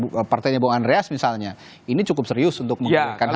kalau saya lihat partainya pak andrias misalnya ini cukup serius untuk mengulirkan hak angkat